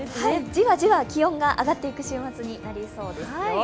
じわじわ気温が上がっていく週末になりそうですよ。